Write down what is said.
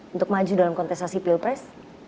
untuk maju dalam kontestasi pilpres